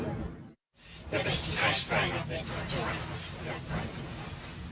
やっぱり引き返したいという気持ちはあります、やっぱり。